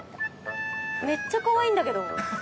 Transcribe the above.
めっちゃかわいいんだけど。